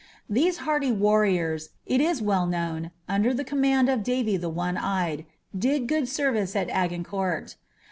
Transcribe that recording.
These hardy warriors, it is well known, under the command of Dary the One nyed,' did good service at Agincourt.